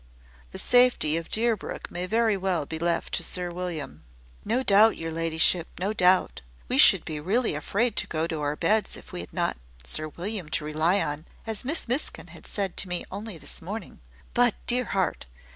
The safety of Deerbrook may very well be left to Sir William." "No doubt, your ladyship, no doubt! We should be really afraid to go to our beds, if we had not Sir William to rely on, as Miss Miskin said to me only this morning. But, dear heart!